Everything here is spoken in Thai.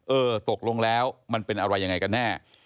เออตกลงแล้วมันเป็นอะไรยังไงกันแน่